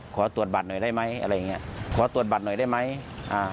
ขอตรวจบัตรหน่อยได้ไหมอะไรอย่างเงี้ยขอตรวจบัตรหน่อยได้ไหมอ่า